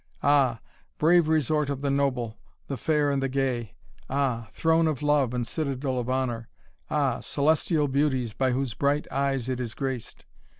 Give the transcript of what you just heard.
Ah! brave resort of the noble, the fair and the gay! Ah! throne of love, and citadel of honour! Ah! celestial beauties, by whose bright eyes it is graced!